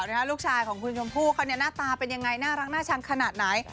นะฮะลูกชายของคุณกำผู้เขาเนี้ยหน้าตาเป็นยังไงน่ารักน่าชังขนาดไหน